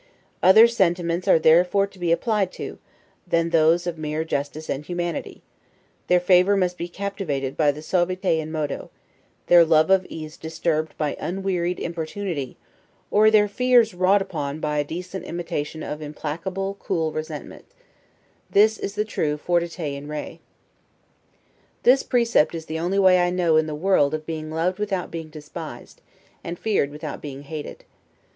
Other sentiments are therefore to be applied to, than those of mere justice and humanity; their favor must be captivated by the 'suaviter in modo'; their love of ease disturbed by unwearied importunity, or their fears wrought upon by a decent intimation of implacable, cool resentment; this is the true 'fortiter in re'. This precept is the only way I know in the world of being loved without being despised, and feared without being hated.